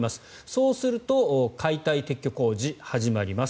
そうすると解体撤去工事、始まります。